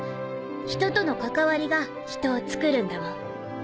ひととの関わりが人をつくるんだもん。